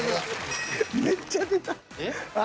めっちゃ出た。